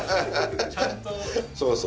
そうそう。